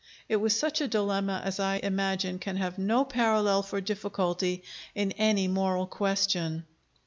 It was such a dilemma as I imagine can have no parallel for difficulty in any moral question.